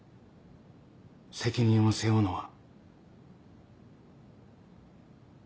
責任を背負うのは。